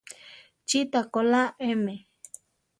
Chí takóla eme.